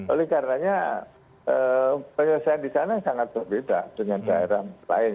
oleh karenanya penyelesaian di sana sangat berbeda dengan daerah lain